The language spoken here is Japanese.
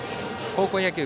高校野球